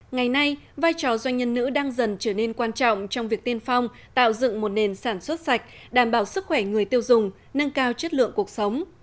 ngày nay vai trò doanh nhân nữ đang dần trở nên quan trọng trong việc tiên phong tạo dựng một nền sản xuất sạch đảm bảo sức khỏe người tiêu dùng nâng cao chất lượng cuộc sống